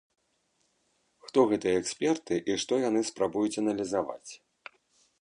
Хто гэтыя эксперты і што яны спрабуюць аналізаваць?